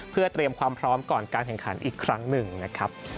เพื่อเตรียมความพร้อมก่อนการแข่งขันอีกครั้งหนึ่งนะครับ